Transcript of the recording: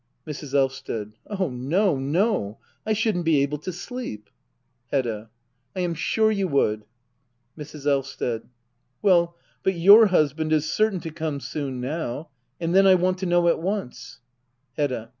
Mrs. Blvsted. Oh no, no— I shouldn't be able to sleep. Hedda. I am sure you would. Mrs. Blvsted. Well, but your husband is certain to come soon now ; and then I want to know at onc e ■ Hedda.